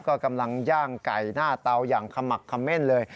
ก็กำลังย่างไก่หน้าเตาอย่างขมักเขม่นเลย